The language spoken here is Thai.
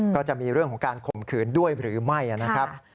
ก็จะมีเรื่องของการข่มขืนด้วยหรือไม่นะครับ